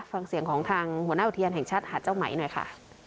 ฟังเสียงของทางหัวหน้าอุทยานแห่งชาติหาดเจ้าไหมหน่อยค่ะ